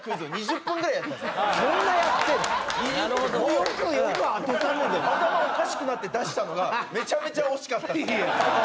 頭おかしくなって出したのがめちゃめちゃ惜しかった。